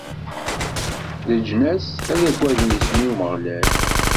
Leǧnas ad aggaden isem n Umeɣlal.